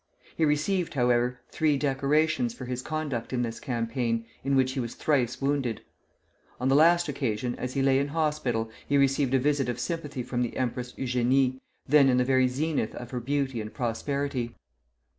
He received, however, three decorations for his conduct in this campaign, in which he was thrice wounded. On the last occasion, as he lay in hospital, he received a visit of sympathy from the Empress Eugénie, then in the very zenith of her beauty and prosperity.